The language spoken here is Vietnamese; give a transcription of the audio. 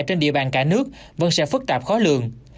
trên địa bàn cả nước vẫn sẽ phức tạp khó lường